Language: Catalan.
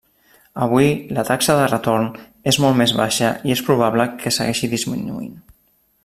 Avui la taxa de retorn és molt més baixa i és probable que segueixi disminuint.